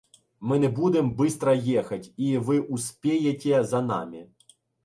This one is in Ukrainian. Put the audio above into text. Ми не будем бистра ехать, і ви успєєтє за намі.